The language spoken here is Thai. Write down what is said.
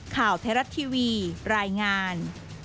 ข่าวไทยรัฐทีวีรายงาน